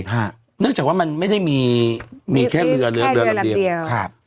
เนื่องจากว่ามันไม่ได้มีมีแค่เรือเรือลำเดียวแค่เรือลำเดียวครับ